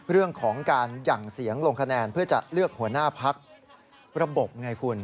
เรื่องของการหยั่งเสียงลงคะแนนเพื่อจะเลือกหัวหน้าพักระบบไงคุณ